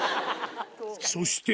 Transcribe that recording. そして。